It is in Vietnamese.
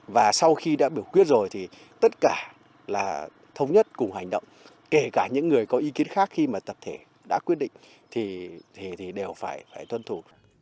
và sau khi đã biểu quyết rồi thì tất cả là thống nhất cùng hành động kể cả những người có ý kiến khác khi mà tập thể đã quyết định thì đều phải tuân thủ